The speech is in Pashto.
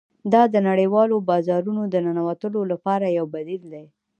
دا د نړیوالو بازارونو د ننوتلو لپاره یو بدیل دی